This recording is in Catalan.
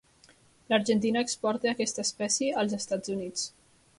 L'Argentina exporta aquesta espècie als Estats Units.